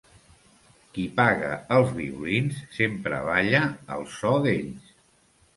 Qui paga els violins sempre balla al so d'ells.